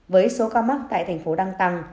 với số cao mắc tại tp đăng tăng